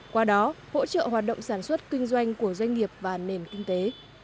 qua đó hỗ trợ hoạt động sản xuất kinh doanh của doanh nghiệp và nền kinh tế